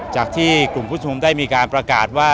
จากที่กลุ่มผู้ชมได้มีการประกาศว่า